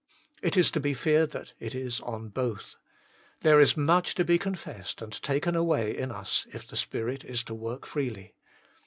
It is to be feared that it is on both. There is much to be con fessed and taken away in us if the Spirit is to work freely.